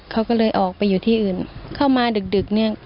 เขาก็เลยออกไปอยู่ที่อื่นเข้ามาดึกดึกเนี่ย